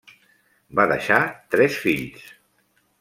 Va deixar tres fills.